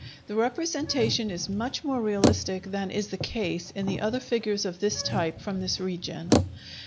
The representation is much more realistic than is the case in the other figures of this type from this region.